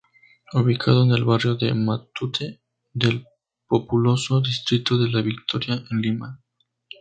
Ubicado en el barrio de "Matute", del populoso distrito de La Victoria, en Lima.